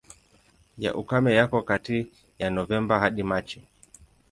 Ya ukame yako kati ya Novemba hadi Machi.